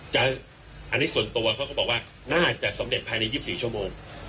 อันนี้ส่วนตัวเขาก็บอกว่าน่าจะสำเร็จภายใน๒๔ชั่วโมง